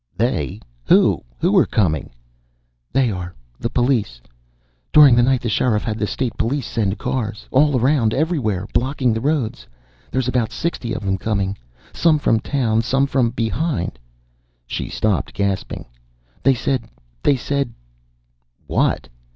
"They? Who? Who are coming?" "They are. The police. During the night the Sheriff had the state police send cars. All around, everywhere. Blocking the roads. There's about sixty of them coming. Some from town, some around behind." She stopped, gasping. "They said they said " "What?"